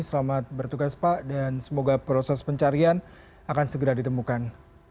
selamat bertugas pak dan semoga proses pencarian akan segera ditemukan